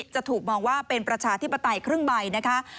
จะถูกมองว่าเป็นประชาธิปไตยครึ่งใบนะคะ